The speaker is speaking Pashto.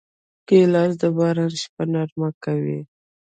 ګیلاس د باران شپه نرمه کوي.